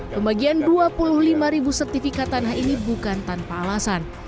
pembagian dua puluh lima ribu sertifikat tanah ini bukan tanpa alasan